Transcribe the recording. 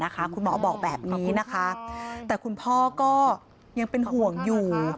คุณหมอบอกแบบนี้นะคะแต่คุณพ่อก็ยังเป็นห่วงอยู่